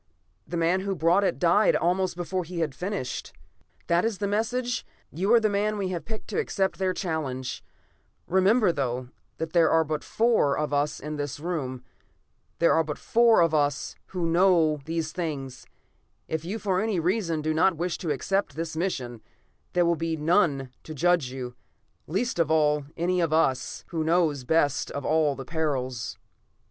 The man who brought it died almost before he had finished. "That is the message. You are the man we have picked to accept their challenge. Remember, though, that there are but the four of us in this room. There are but four of us who know these things. If you for any reason do not wish to accept this mission, there will be none to judge you, least of all, any one of us, who know best of all the perils."